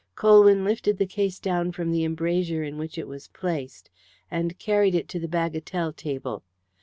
Colwyn lifted the case down from the embrasure in which it was placed, and carried it to the bagatelle table.